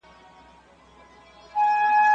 تل د حق په لاره کي ثابت پاتې سه.